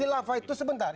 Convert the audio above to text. hilafah itu sebentar